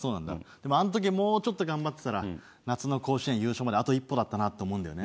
でもあの時もうちょっと頑張ってたら夏の甲子園優勝まであと一歩だったなって思うんだよね。